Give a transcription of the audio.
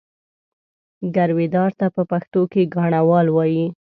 ګرويدار ته په پښتو کې ګاڼهوال وایي.